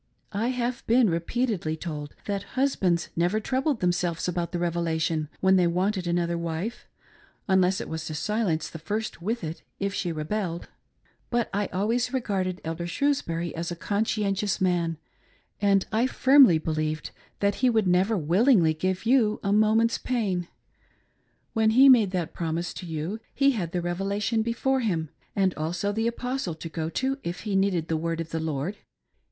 I have been repeatedly told that husbands never troubled them^ selves about the Revelation when they wanted another wife, unless it was to silence the first wife with it, if she rebelled But I always regarded Elder Shrewsbury as a conscientious man, and I firmly believed that he would never willingly give you a moment's pain. When he made that promise to you, he had the Revelation before him, and had also the Apostle to go to if he needed the ' Word of the Lord.'